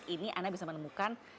ini anda bisa menemukan